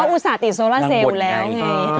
อุตส่าห์ติดโซล่าเซลล์แล้วไง